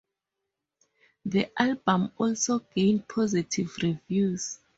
The album also gained positive reviews.